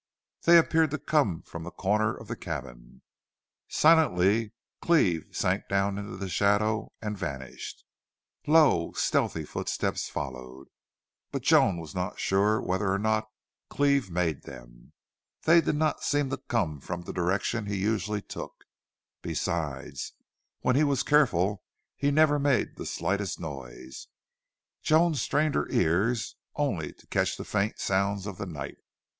They appeared to come from the corner of the cabin. Silently Cleve sank down into the shadow and vanished. Low, stealthy footsteps followed, but Joan was not sure whether or not Cleve made them. They did not seem to come from the direction he usually took. Besides, when he was careful he never made the slightest noise. Joan strained her ears, only to catch the faint sounds of the night.